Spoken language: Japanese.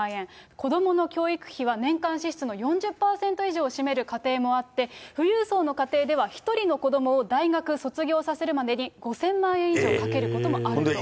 子どもの教育費は年間支出の４０％以上を占める家庭もあって、富裕層の家庭では１人の子どもを大学卒業させるまでに５０００万円以上かけることもある。